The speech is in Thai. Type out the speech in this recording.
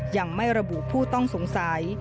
ยังไม่ระบุผู้ต้องสงสัย